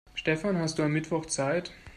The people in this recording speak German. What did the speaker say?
Stefan, hast du am Mittwoch Zeit?